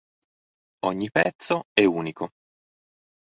Ogni pezzo è unico.